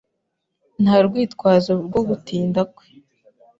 Nta rwitwazo rwo gutinda kwe.